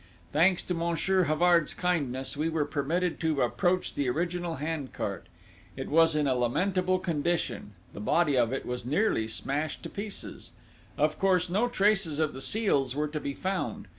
"Thanks to Monsieur Havard's kindness, we were permitted to approach the original hand cart. It was in a lamentable condition: the body of it was nearly smashed to pieces! Of course, no traces of the seals were to be found.